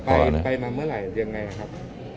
สมุดสากรไปมาเมื่อไหร่ยังไงครับ